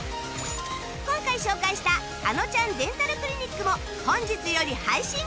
今回紹介した『あのちゃんデンタルクリニック』も本日より配信！